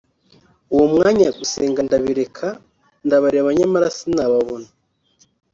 uwo mwanya gusenga ndabireka ndabareba nyamara sinababona